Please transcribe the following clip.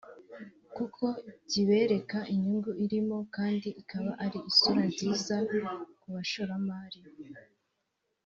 kuko kibereka inyungu irimo kandi ikaba ari isura nziza ku bashoramari